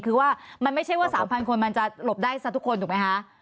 คือว่ามันไม่ใช่ว่า๓๐๐คนมันจะหลบได้ซะทุกคนถูกไหมคะ